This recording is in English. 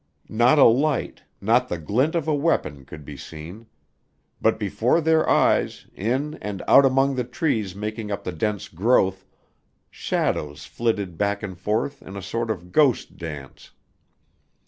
Not a light, not the glint of a weapon could be seen. But before their eyes, in and out among the trees making up the dense growth, shadows flitted back and forth in a sort of ghost dance.